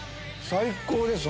最高です！